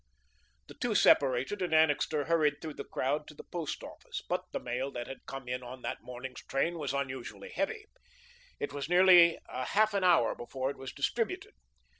The two separated, and Annixter hurried through the crowd to the Post Office, but the mail that had come in on that morning's train was unusually heavy. It was nearly half an hour before it was distributed.